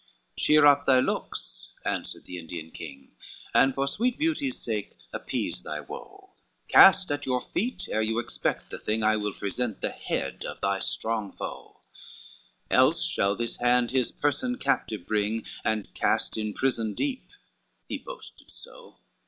LXXI "Cheer up thy looks," answered the Indian king, "And for sweet beauty's sake, appease thy woe, Cast at your feet ere you expect the thing, I will present the head of thy strong foe; Else shall this hand his person captive bring And cast in prison deep;" he boasted so.